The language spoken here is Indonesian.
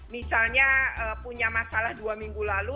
misalnya punya masalah dua minggu lalu